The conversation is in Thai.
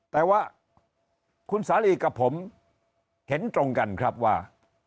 แต่ว่าคุณสาลีกับผมเห็นตรงกันครับว่า